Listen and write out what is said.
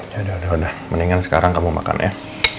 yaudah udah mendingan sekarang kamu makan ya